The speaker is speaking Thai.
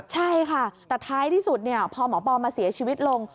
ใช่ค่ะแต่ท้ายที่สุดพอหมอปอมาเสียชีวิตลง